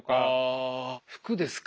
あ服ですか。